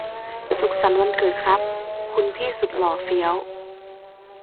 สุขสันต์วันเกิดครับคุณพี่สุดหล่อเฟี้ยว